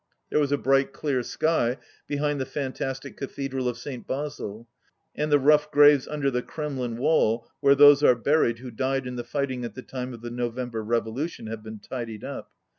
There was a bright clear sky behind the fantastic Cathedral of St. Basil, and the rough graves under the Kremlin wall, where those are buried w'ho died in the fighting at the time of the November Revolution, have been tidied up.